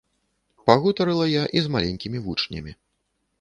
Пагутарыла я і з маленькімі вучнямі.